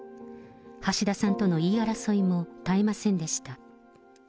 橋田さんとの言い争いも絶えませんでした。